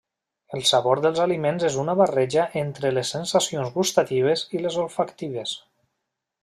El sabor dels aliments és una barreja entre les sensacions gustatives i les olfactives.